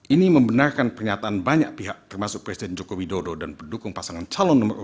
ini membenarkan pernyataan banyak pihak termasuk presiden joko widodo dan pendukung pasangan calon nomor dua